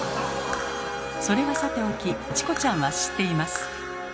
それはさておきチコちゃんは知っています。